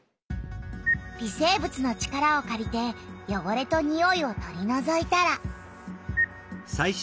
微生物の力をかりてよごれとにおいを取りのぞいたら。